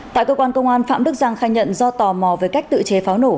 tại cơ quan công an phạm đức giang khai nhận do tò mò về cách tự chế pháo nổ